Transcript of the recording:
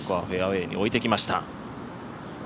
フェアウエーにおいてきました。